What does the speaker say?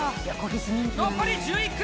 残り１１組。